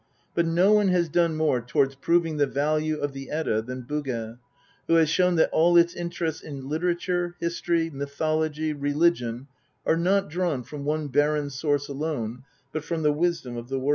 But no one has done more towards proving the value of the Edda than Bugge, who has shown that all its interests in literature, history, mythology, religion are not drawn from one barren source alone, but from the wisdom of the world.